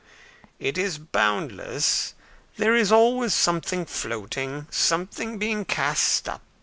"It is boundless: there is always something floating, something being cast up.